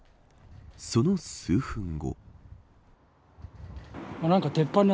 その数分後。